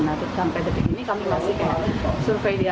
nah sampai detik ini kami masih survei dia